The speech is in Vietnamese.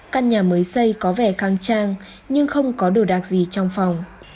căn nhà mới xây có vẻ khang trang nhưng không có đồ đạc gì trong phòng